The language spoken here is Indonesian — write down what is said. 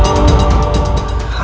hai suami sesat